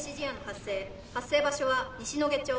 発生場所は西野毛町。